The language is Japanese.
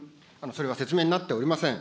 それは説明になっておりません。